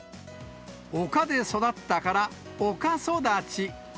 丘で育ったから、おかそだち。